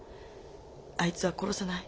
「あいつは殺さない。